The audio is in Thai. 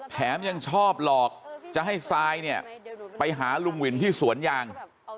ยังชอบหลอกจะให้ซายเนี่ยไปหาลุงวินที่สวนยาง